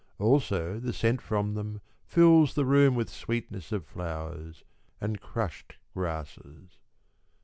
Also the scent from them fills the room With sweetness of flowers and crushed grasses.